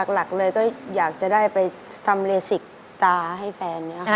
หลักเลยก็อยากจะได้ไปทำเลสิกตาให้แฟน